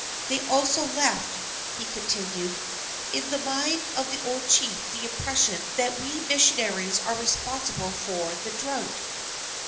"They also left," he continued, "in the mind of the old chief the impression that we missionaries are responsible for the drought."